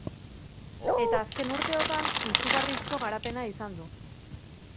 Eta azken urteotan izugarrizko garapena izan du.